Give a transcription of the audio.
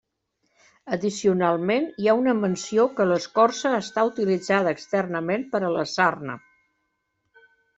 Addicionalment, hi ha una menció que l'escorça està utilitzada externament per a la sarna.